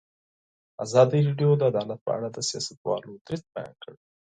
ازادي راډیو د عدالت په اړه د سیاستوالو دریځ بیان کړی.